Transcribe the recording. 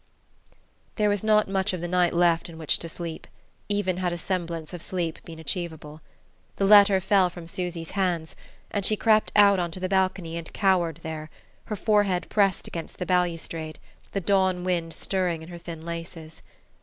There was not much of the night left in which to sleep, even had a semblance of sleep been achievable. The letter fell from Susy's hands, and she crept out onto the balcony and cowered there, her forehead pressed against the balustrade, the dawn wind stirring in her thin laces.